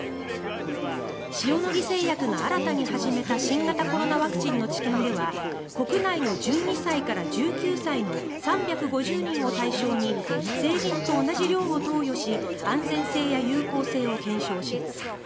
塩野義製薬が新たに始めた新型コロナワクチンの治験では国内の１２歳から１９歳の３５０人を対象に成人と同じ量を投与し安全性や有効性を検証します。